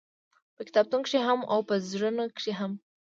په کتابونو کښې هم او په زړونو کښې هم-